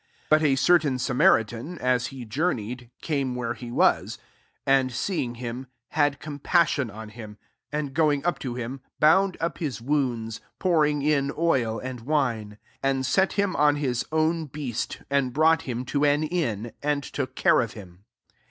33 But a certain Samaritan, as he journeyed, came where he was : and see ing him, had compassion on him^ 34 and going up to him, bound up his wounds, pouring in oil and wine; and set him on his own beast, and brought him to an inn, and took care of bim.